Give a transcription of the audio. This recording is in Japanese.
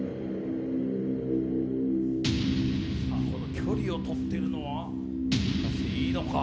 この距離をとってるのは、果たしていいのか？